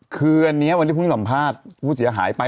คืออันนี้วันที่เพิ่งสัมภาษณ์ผู้เสียหายไป